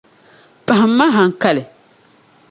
Pahimma haŋkali.